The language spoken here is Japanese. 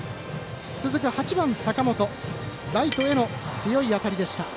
続く８番、坂本ライトへの強い当たりでした。